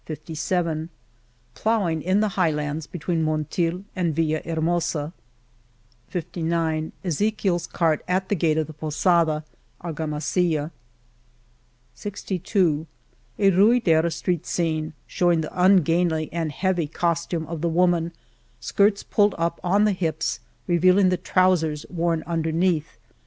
* S4 Ploughing in the highlands, between Monteil and Vilhr hermosa, ^y EzechieVs cart at the gate of the Posada, Argama silla, S9 A Ruidera street scene, showing the ungainly and heavy costume of the woman, skirts pulled up on the hips, revealing the trousers worn under neath.